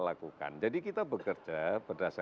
lakukan jadi kita bekerja berdasarkan